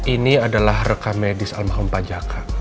ini adalah reka medis al mahom pajaka